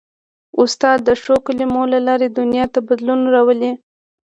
استاد د ښو کلمو له لارې دنیا ته بدلون راولي.